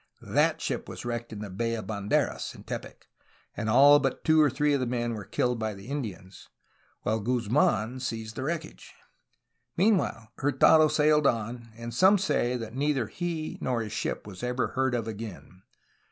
That ship was wrecked in the Bay of Banderas (in Tepic), and all but two or three of the men were killed by the Indians, while Guzmdn seized the wreck. Meanwhile, Hurtado sailed on, — and some say that neither he nor his ship was ever heard of again.